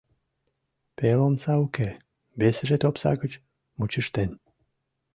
Пел омса уке, весыже топса гыч мучыштен.